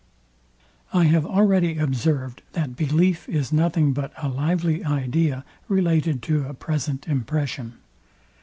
I have already observed, that belief is nothing but a lively idea related to a present impression.